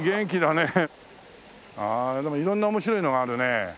ああでも色んな面白いのがあるね。